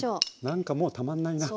なんかもうたまんないな。